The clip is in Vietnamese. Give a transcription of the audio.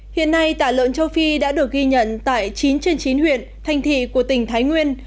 hiện nay tả lợn châu phi đã được ghi nhận tại chín trên chín huyện thành thị của tỉnh thái nguyên